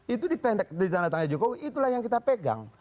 itu ditanda tangannya jokowi itulah yang kita pegang